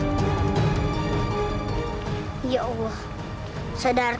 nanti saya menang chemicals